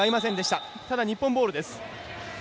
ただ日本ボール。